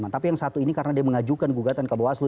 tapi yang satu ini karena dia mengajukan gugatan ke bawaslu